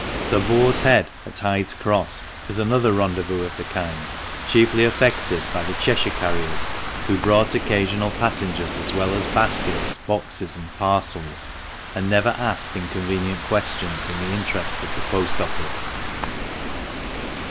The ' Boar's Head" at Hyde's Cross was another rendezvous of the kind, chiefly affected by the Cheshire carriers, who brought occasional passengers as well as baskets, boxes, and parcels, and never asked inconvenient questions in the interest of the Post Office.